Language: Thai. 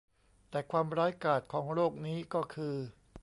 แต่ความร้ายกาจของโรคนี้ก็คือ